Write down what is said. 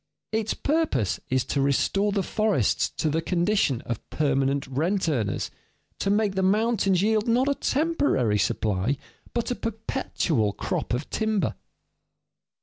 Its purpose is to restore the forests to the condition of permanent rent earners, to make the mountains yield not a temporary supply, but a perpetual crop of timber.